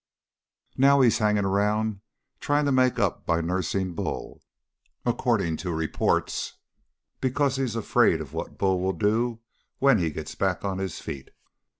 Now he's hanging around trying to make up by nursing Bull, according to reports, because he's afraid of what Bull'll do when he gets back on his feet.